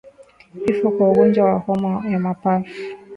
Vifo kwa ugonjwa wa homa ya mapafu